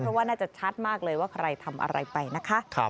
เพราะว่าน่าจะชัดมากเลยว่าใครทำอะไรไปนะคะ